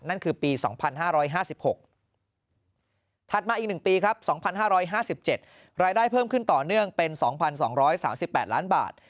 นั่นคือปี๒๕๕๖ถัดมาอีก๑ปีครับ๒๕๕๗รายได้เพิ่มขึ้นต่อเนื่องเป็น๒๒๓๘ล้านบาท